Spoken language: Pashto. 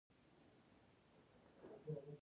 څوک چې علمي کار کوي هغه د ستاینې وړ دی.